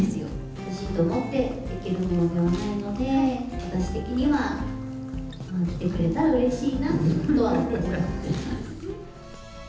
欲しいと思ってできるものではないので、私的には来てくれたらうれしいなとは思ってます。